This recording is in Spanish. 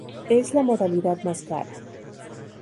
Es la modalidad más cara.